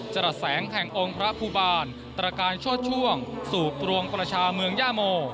จรัสแสงแห่งองค์พระภูบาลตรการโชดช่วงสู่ปรวงประชาเมืองย่าโม